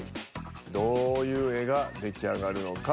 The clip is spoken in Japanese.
どういう絵が出来上がるのか。